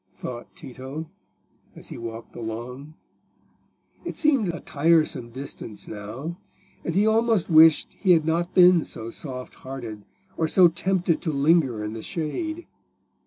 thought Tito, as he walked along. It seemed a tiresome distance now, and he almost wished he had not been so soft hearted, or so tempted to linger in the shade.